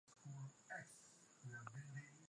Tunafaa kuheshimiana sana